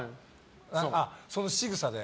そのしぐさで？